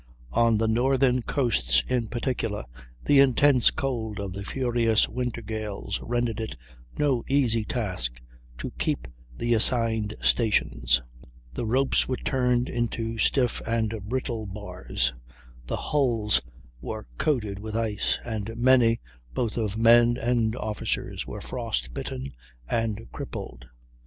On the northern coasts in particular, the intense cold of the furious winter gales rendered it no easy task to keep the assigned stations; the ropes were turned into stiff and brittle bars, the hulls were coated with ice, and many, both of men and officers, were frost bitten and crippled.